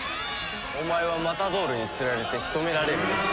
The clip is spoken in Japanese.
お前はマタドールに釣られて仕留められる牛。